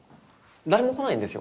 誰も来ないんですよ